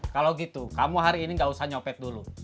kalo gitu kamu hari ini gak usah nyopet dulu